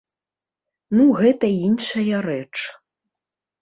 Ну, гэта іншая рэч.